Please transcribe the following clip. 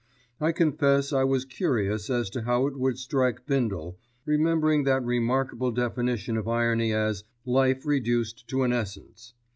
I confess I was curious as to how it would strike Bindle, remembering that remarkable definition of irony as "life reduced to an essence."